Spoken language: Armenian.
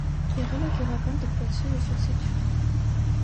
Եղել է գյուղական դպրոցի ուսուցիչ։